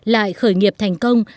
lại khởi nghiệp thành công